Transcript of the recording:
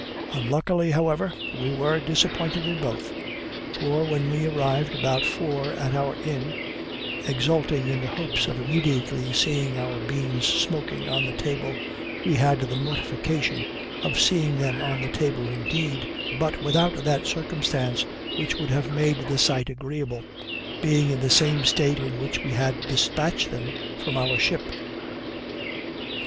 Unluckily, however, we were disappointed in both; for when we arrived about four at our inn, exulting in the hopes of immediately seeing our beans smoking on the table, we had the mortification of seeing them on the table indeed, but without that circumstance which would have made the sight agreeable, being in the same state in which we had dispatched them from our ship.